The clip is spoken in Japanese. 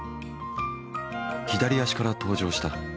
左足から登場した。